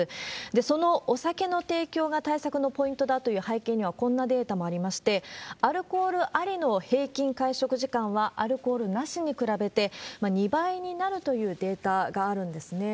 そのお酒の提供が対策のポイントだという背景には、こんなデータもありまして、アルコールありの平均会食時間は、アルコールなしに比べて２倍になるというデータがあるんですね。